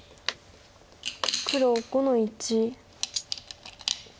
黒５の一。